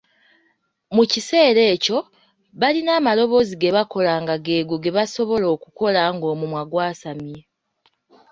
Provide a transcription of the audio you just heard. Mu kiseera ekyo balina amaloboozi ge bakola nga g’ego ge basobola okukola ng’omumwa gwasamye.